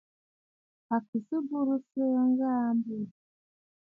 À kɨ sɨ bùrə̀sə̀ aà ŋ̀ŋèə mbô mi.